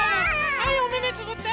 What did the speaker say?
はいおめめつぶって。